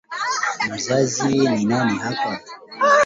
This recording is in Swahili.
Mzazi ni nani hapa?